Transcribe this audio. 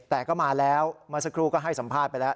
แต่ก็มาแล้วเมื่อสักครู่ก็ให้สัมภาษณ์ไปแล้ว